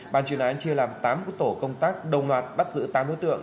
bàn chuyên án chia làm tám tổ công tác đồng loạt bắt giữ tám đối tượng